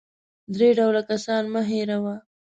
درې ډوله کسان مه هېروه .